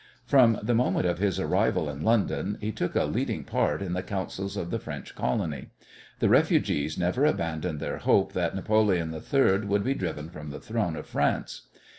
From the moment of his arrival in London he took a leading part in the counsels of the French colony. The refugees never abandoned their hope that Napoleon III would be driven from the throne of France.